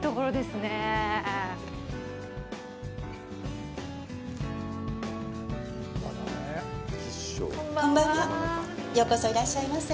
ようこそいらっしゃいませ。